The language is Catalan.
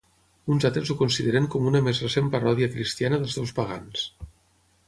Uns altres ho consideren com una més recent paròdia cristiana dels déus pagans.